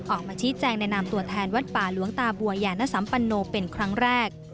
ออกมาชี้แจงในนามตัวแทนวัดป่าหลวงตาบัวยานสัมปันโนเป็นครั้งแรก